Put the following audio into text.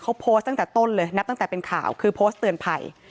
เขาโพสต์ตั้งแต่ต้นเลยนับตั้งแต่เป็นข่าวคือโพสต์เตือนภัย